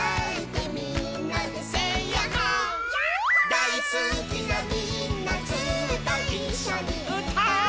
「だいすきなみんなずっといっしょにうたおう」